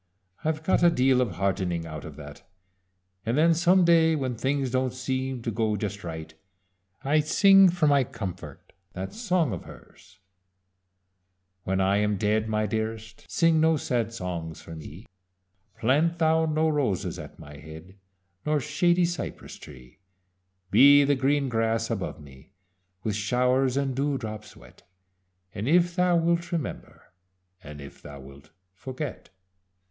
"I've got a deal of heartening out of that, and then some day when things don't seem to go just right, I sing for my comfort that song of hers: "When I am dead, my dearest, Sing no sad songs for me; Plant thou no roses at my head, Nor shady cypress tree: Be the green grass above me, With showers and dew drops wet, And if thou wilt, remember, And if thou wilt, forget.